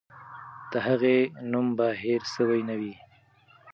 د هغې نوم به هېر سوی نه وي.